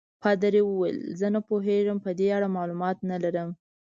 پادري وویل: زه نه پوهېږم، په دې اړه معلومات نه لرم.